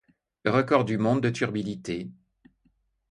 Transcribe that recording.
Record du monde de turbidité.